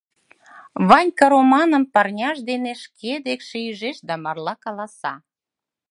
Ванька Романым парняж дене шке декше ӱжеш да марла каласа: